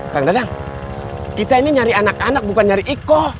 kang dadang kita ini nyari anak anak bukan nyari iko